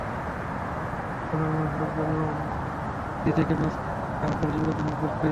গ্রামের সাধারণ লোকজনও নদী থেকে মাছ আহরণ করে জীবিকা নির্বাহ করতেন।